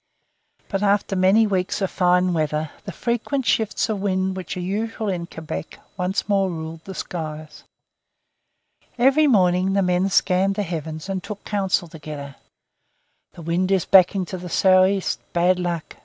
But after many weeks of fine weather the frequent shifts of wind which are usual in Quebec once more ruled the skies. Every morning the men scanned the heavens and took counsel together. "The wind is backing to the sou'east. Bad luck!